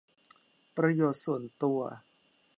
ประโยชน์ส่วนตัว